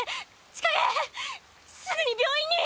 すぐに病院に！